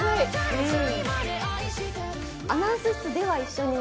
うん。